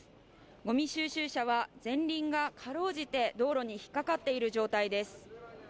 ごみ収集車は前輪がかろうじて道路に引っ掛かっている状態です。